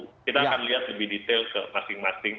kita akan lihat lebih detail ke masing masing